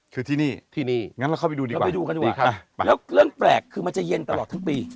คือที่นี่ที่นี่งั้นเราเข้าไปดูดีเราไปดูกันดีครับแล้วเรื่องแปลกคือมันจะเย็นตลอดทั้งปี